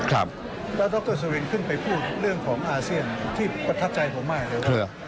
แล้วดรสุรินขึ้นไปพูดเรื่องของอาเซียนที่ประทับใจผมมากเลย